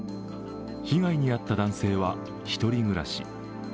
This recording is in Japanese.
被害に遭った男性は一人暮らし。